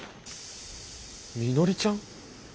みのりちゃん！？